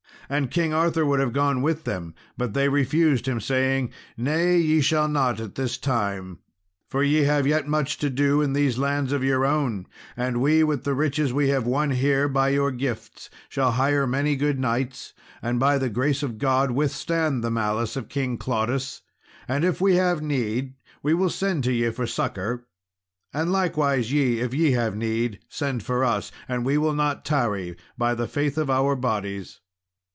And King Arthur would have gone with them, but they refused him, saying, "Nay, ye shall not at this time, for ye have yet much to do in these lands of your own; and we with the riches we have won here by your gifts shall hire many good knights, and, by the grace of God, withstand the malice of King Claudas; and if we have need we will send to ye for succour; and likewise ye, if ye have need, send for us, and we will not tarry, by the faith of our bodies."